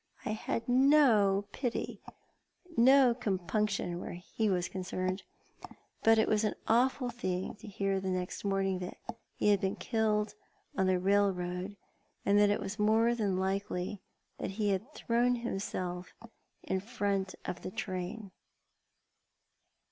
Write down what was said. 1 had no pity, no compunction where he was concerned ; but it was an awful thing to hear nest morning that he had been killed on the railroad, and that it was more than likely he had thrown himself in front of the train.